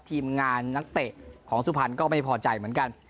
ทีมงานนักเตะของสุพรรณก็ไม่พอใจเหมือนกัน